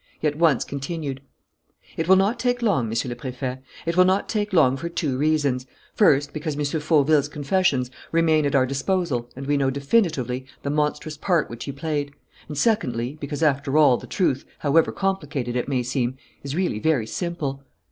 He at once continued: "It will not take long, Monsieur le Préfet. It will not take long for two reasons: first, because M. Fauville's confessions remain at our disposal and we know definitely the monstrous part which he played; and, secondly, because, after all, the truth, however complicated it may seem, is really very simple.